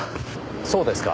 そうですか。